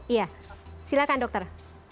iya silakan dokter